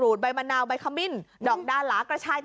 ใบมะนาวใบขมิ้นดอกดาหลากระชาย